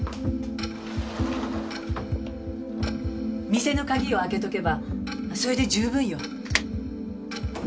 店の鍵を開けておけばそれで十分よ。